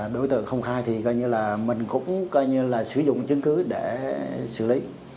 đối tượng không khai thì mình cũng sử dụng chứng cứ để xử lý